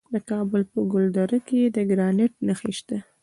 د کابل په ګلدره کې د ګرانیټ نښې شته.